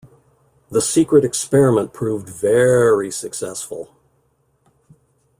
The secret experiment proved very successful.